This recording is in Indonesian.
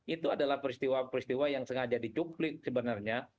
itu adalah peristiwa peristiwa yang sengaja dicuplik sebenarnya